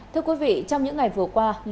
thưa quý vị trong những ngày vừa qua